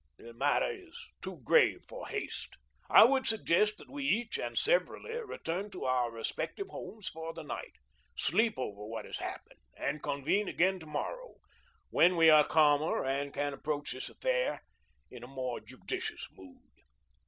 The matter is too grave for haste. I would suggest that we each and severally return to our respective homes for the night, sleep over what has happened, and convene again to morrow, when we are calmer and can approach this affair in a more judicious mood.